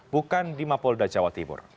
bukan di mapolda jawa timur